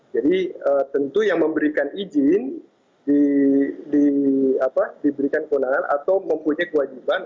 jadi tentu yang memberikan izin diberikan keundangan atau mempunyai kewajiban